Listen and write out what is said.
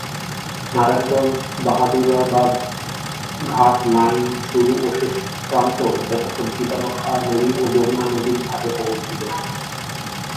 নারায়ণগঞ্জ-বাহাদুরাবাদ ঘাট লাইন শুরু ও শেষ প্রান্ত যথাক্রমে শীতলক্ষ্যা নদী ও যমুনা নদীর ঘাটে অবস্থিত।